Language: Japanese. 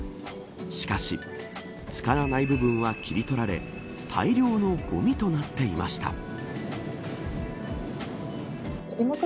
しかし使わない部分は切り取られ大量のゴミとなっていました。